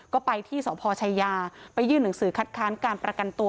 ก็ไปที่สพชายาไปยื่นหนังสือคัดค้านการประกันตัว